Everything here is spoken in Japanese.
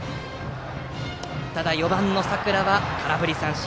ただ、４番の佐倉は空振り三振。